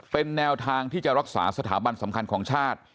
เป็นแนวทางที่จะรักษาสถาบันสำคัญของชาติ